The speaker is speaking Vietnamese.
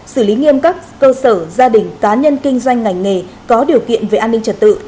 xử lý nghiêm các cơ sở gia đình cá nhân kinh doanh ngành nghề có điều kiện về an ninh trật tự